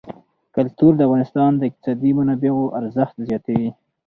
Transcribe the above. کلتور د افغانستان د اقتصادي منابعو ارزښت زیاتوي.